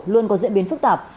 luôn có diễn biến phức tạp